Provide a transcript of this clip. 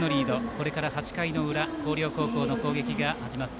これから８回の裏広陵高校の攻撃です。